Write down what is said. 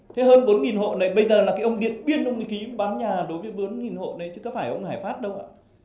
thế hơn bốn hộ này bây giờ là cái ông điện biên ông ký bán nhà đối với bốn hộ đấy chứ có phải ông hải phát đâu ạ